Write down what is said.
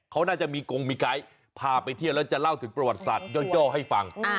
เขาน่าจะมีกงมีไกด์พาไปเที่ยวแล้วจะเล่าถึงประวัติศาสตย่อให้ฟัง